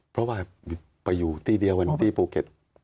เพราะว่าไปอยู่ที่เดียวกันที่ภูเก็ต